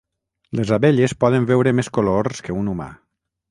Les abelles poden veure més colors que un humà.